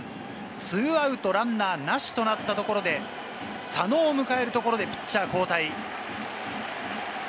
２アウトランナーなしとなったところで、佐野を迎えるところでピッチャー交代。